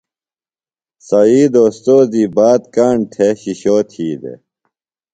سعید اوستوذی بات کاݨ تھےۡ شِشو تھی دےۡ۔